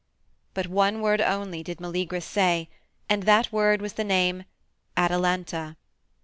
But one word only did Meleagrus say, and that word was the name, "Atalanta."